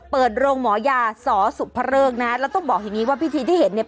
เปิดโรงหมอยาสอสุภเริกนะแล้วต้องบอกอย่างงี้ว่าพิธีที่เห็นเนี่ย